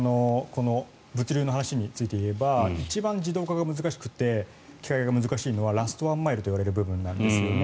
物流の話についていえば一番自動化が難しくて機械化が難しいのはラストワンマイルといわれる部分なんですよね。